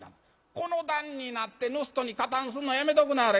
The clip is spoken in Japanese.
この段になって盗人に加担すんのやめとくなはれ。